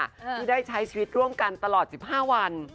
ที่ได้ใช้ชีวิตร่วมกันตลอด๑๕วัน